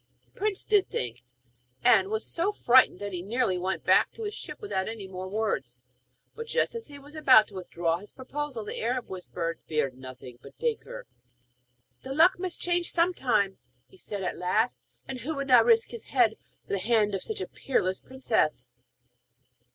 The prince did think, and was so frightened that he very nearly went back to his ship without any more words. But just as he was about to withdraw his proposal the Arab whispered: 'Fear nothing, but take her.' 'The luck must change some time,' he said, at last; 'and who would not risk his head for the hand of such a peerless princess?'